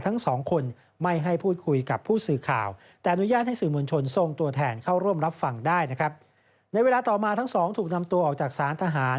ในเวลาต่อมาทั้งสองถูกนำตัวออกจากศาลทหาร